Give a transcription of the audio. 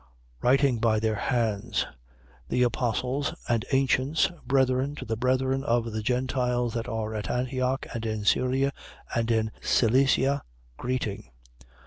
15:23. Writing by their hands: The apostles and ancients, brethren, to the brethren of the Gentiles that are at Antioch and in Syria and Cilicia, greeting.